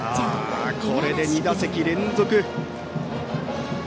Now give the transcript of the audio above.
これで２打席連続。